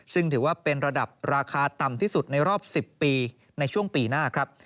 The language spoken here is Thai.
ซึ่งถือว่าเป็นระดับราคาต่ำที่สุดในรอบ๑๐ปีในช่วงปีหน้าครับ